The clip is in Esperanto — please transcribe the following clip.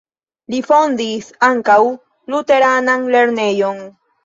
Li fondis ankaŭ luteranan lernejon.